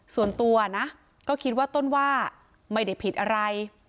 ส่วนตัวนะก็คิดว่าต้นว่าไม่ได้ผิดอะไร